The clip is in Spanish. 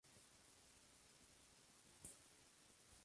Fue comandante de la Legión de Honor.